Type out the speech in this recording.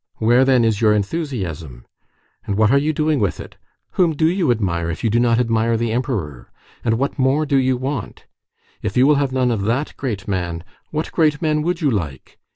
Where, then, is your enthusiasm? And what are you doing with it? Whom do you admire, if you do not admire the Emperor? And what more do you want? If you will have none of that great man, what great men would you like?